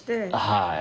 はい。